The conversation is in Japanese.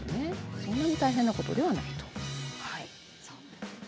そんなに大変なことではないです。